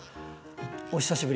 お久しぶり。